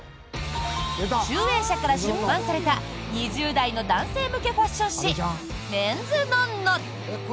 集英社から出版された２０代の男性向けファッション誌「ＭＥＮ’ＳＮＯＮ−ＮＯ」。